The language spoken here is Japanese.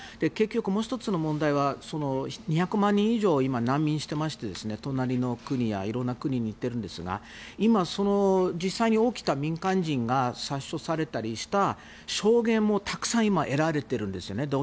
結局もう１つの問題は２００万人以上が今、難民していまして隣の国や色んな国に行っているんですが今、実際に起きた民間人が殺傷されたりした証明もたくさん得られているんですね。